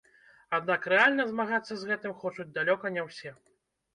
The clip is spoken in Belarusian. Аднак рэальна змагацца з гэтым хочуць далёка не ўсе.